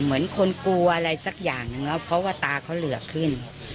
เหมือนคนกลัวอะไรสักอย่างหนึ่งแล้วเพราะว่าตาเขาเหลือขึ้น